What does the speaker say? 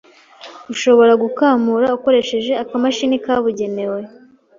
ushobora gukamura ukoresheje akamashini kabugenewe